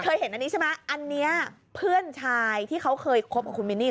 เห็นอันนี้ใช่ไหมอันนี้เพื่อนชายที่เขาเคยคบกับคุณมินนี่